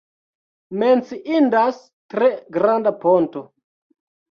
Menciindas tre granda ponto.